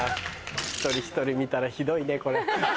一人一人見たらひどいねこれ。